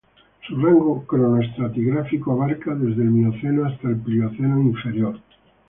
Su rango cronoestratigráfico abarca desde el Mioceno hasta el Plioceno inferior.